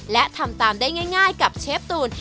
และทำตามได้ง่ายกับเชฟตูน